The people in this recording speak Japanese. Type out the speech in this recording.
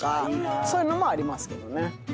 そういうのもありますけどね。